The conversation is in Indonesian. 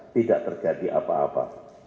tidak terjadi apa apa